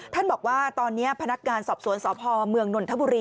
บอกว่าตอนนี้พนักงานสอบสวนสพเมืองนนทบุรี